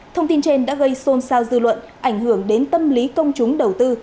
thông tin trên đã gây xôn xao dư luận ảnh hưởng đến tâm lý công chúng đầu tư